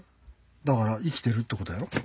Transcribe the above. だから生きてるってことやろ。